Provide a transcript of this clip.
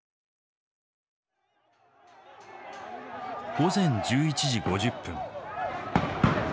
午前１１時５０分。